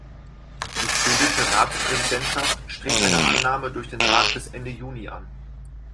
Die schwedische Ratspräsidentschaft strebt eine Annahme durch den Rat bis Ende Juni an.